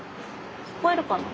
聞こえるかな？